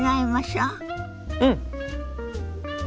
うん！